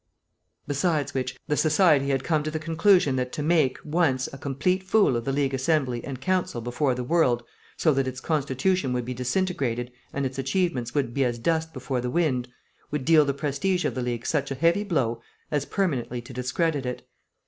Besides which, the society had come to the conclusion that to make, once, a complete fool of the League Assembly and Council before the world, so that its constitution would be disintegrated and its achievements would be as dust before the wind, would deal the prestige of the League such a heavy blow as permanently to discredit it.